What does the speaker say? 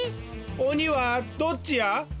おにはどっちや？